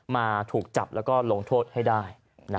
มาถูกจับแล้วก็ลงโทษให้ได้